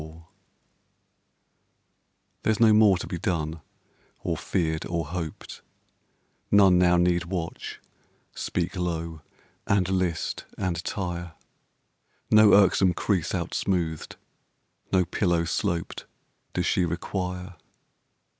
1813ŌĆō1904) THEREŌĆÖS no more to be done, or feared, or hoped; None now need watch, speak low, and list, and tire; No irksome crease outsmoothed, no pillow sloped Does she require.